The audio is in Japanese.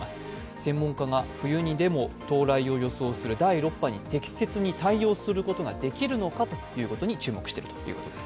専門家が冬にでも到来を予想される第６波に適切に対応することができるのかということに注目しているということです。